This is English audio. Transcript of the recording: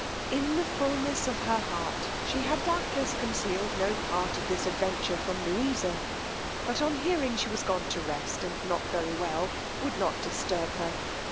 In the fullness of her heart she had doubtless concealed no part of this adventure from Louisa, but on hearing she was gone to rest, and not very well, would not disturb her.